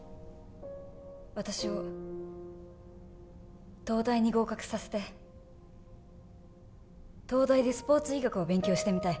私を東大に合格させて東大でスポーツ医学を勉強してみたい